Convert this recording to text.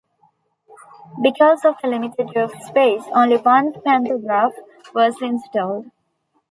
Because of the limited roof space, only one pantograph was installed.